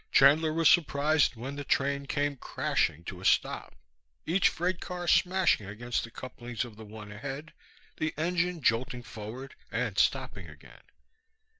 Chandler was surprised when the train came crashing to a stop, each freight car smashing against the couplings of the one ahead, the engine jolting forward and stopping again.